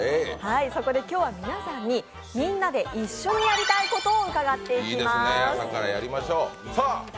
そこで今日は皆さんにみんなで一緒にやりたいことを伺っていきます